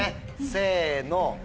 せの。